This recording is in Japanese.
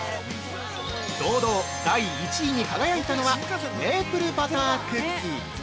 ◆堂々、第１位に輝いたのは「メープルバタークッキー」。